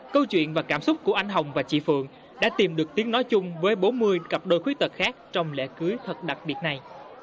câu chuyện và cảm xúc của anh hồng và chị phượng đã tìm được tiếng nói chung với bốn mươi cặp đôi khuyết tật khác trong lễ cưới thật đặc biệt này